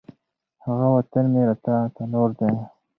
هغه وطن مي راته تنور دی